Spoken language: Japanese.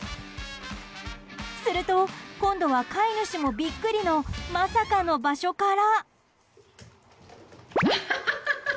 すると、今度は飼い主もビックリのまさかの場所から。